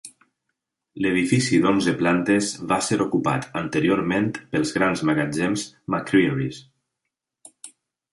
L'edifici d'onze plantes va ser ocupat anteriorment pels grans magatzems McCreery's.